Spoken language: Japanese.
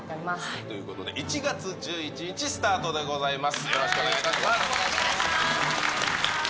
ということで、１月１１日スタートでございます。